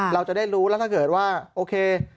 เราจะได้รู้แล้วถ้าเกิดว่าโอเค